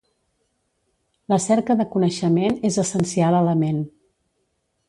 La cerca de coneixement és essencial a la ment.